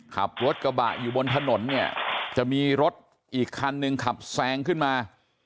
ขับรถกระบะอยู่บนถนนเนี่ยจะมีรถอีกคันหนึ่งขับแซงขึ้นมา